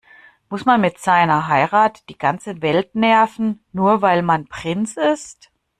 Muss man mit seiner Heirat die ganze Welt nerven, nur weil man Prinz ist?